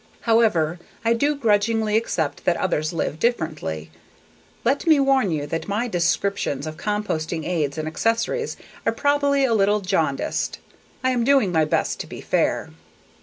However, I do grudgingly accept that others live differently. Let me warn you that my descriptions of composting aids and accessories are probably a little jaundiced. I am doing my best to be fair.